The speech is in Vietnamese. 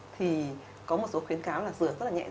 thì có một số khuyến cáo là dường rất là nhẹ